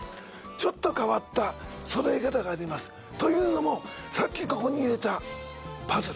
ちょっと変わったそろえ方がありますというのもさっきここに入れたパズル